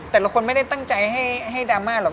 แต่ละคนไม่ได้ตั้งใจให้ดราม่าหรอก